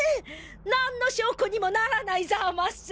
なんの証拠にもならないざます。